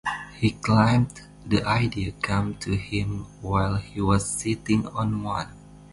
He claimed the idea came to him while he was sitting on one.